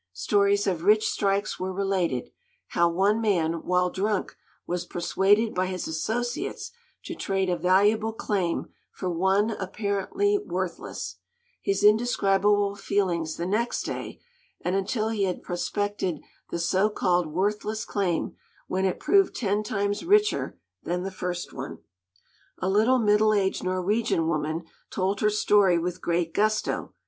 Stories of rich strikes were related; how one man, while drunk, was persuaded by his associates to trade a valuable claim for one apparently worthless; his indescribable feelings the next day and until he had prospected the so called worthless claim, when it proved ten times richer than the first one. [Illustration: FELLOW TRAVELERS.] A little middle aged Norwegian woman told her story with great gusto.